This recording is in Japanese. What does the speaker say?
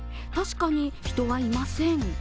確かに人はいません。